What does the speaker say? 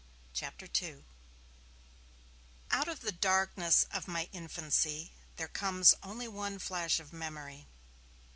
CHAPTER II OUT of the darkness of my infancy there comes only one flash of memory.